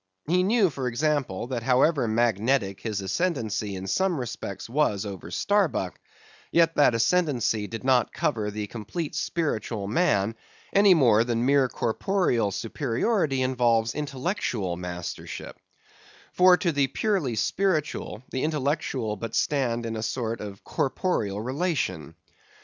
He knew, for example, that however magnetic his ascendency in some respects was over Starbuck, yet that ascendency did not cover the complete spiritual man any more than mere corporeal superiority involves intellectual mastership; for to the purely spiritual, the intellectual but stand in a sort of corporeal relation.